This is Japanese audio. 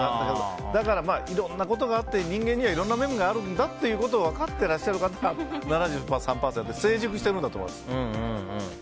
だからいろんなことがあって人間にはいろんな面があるんだということを分かっていらっしゃる方が７３％で成熟してるんだと思います。